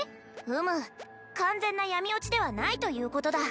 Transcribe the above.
うむ完全な闇堕ちではないということだ